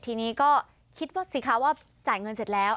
ทีนี้ก็คิดว่าสิคะว่าจ่ายเงินเสร็จแล้ว